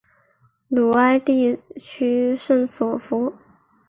吕埃地区圣索弗。